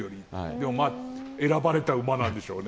でも選ばれた馬なんでしょうね。